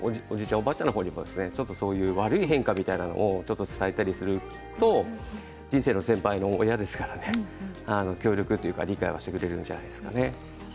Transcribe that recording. おばあちゃんの方へそういう悪い変化みたいなものを伝えたりすると人生の先輩ですから協力というか理解はしてくれるんじゃないですかね。